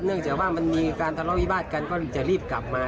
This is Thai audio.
เนื่องจากว่ามันมีการทะเลาวิวาสกันก็จะรีบกลับมา